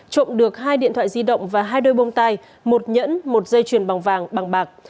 trộm được hai điện thoại di động và hai đôi bông tai một nhẫn một dây chuyền bằng vàng bằng bạc